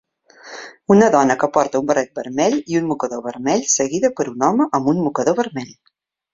Una dona que porta un barret vermell i un mocador vermell seguida per un home amb un mocador vermell.